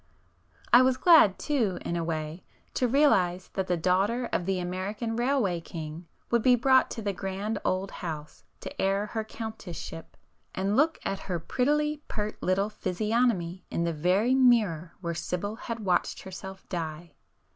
I was glad too, in a way, to realize that the daughter of the American railway king would be brought to the grand old house to air her 'countess ship,' and look at her prettily pert little physiognomy in the very mirror where Sibyl had watched herself die.